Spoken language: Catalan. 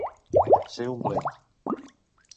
Ser un blet.